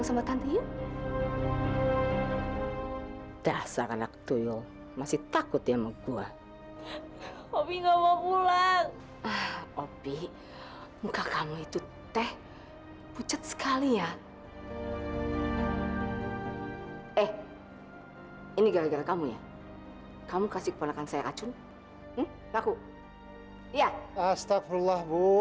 saya harus berterima kasih karena